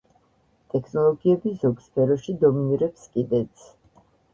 ტექნოლოგიები ზოგ სფეროში დომინირებს კიდეც.